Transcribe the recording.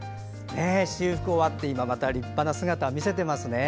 修復が終わって、立派な姿を見せていますね。